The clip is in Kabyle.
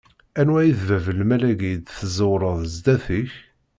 Anwa i d bab n lmal-agi i d-tezzewreḍ zdat-k?